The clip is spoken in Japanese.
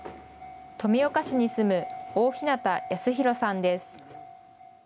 富岡市に住む大日方康博さんです。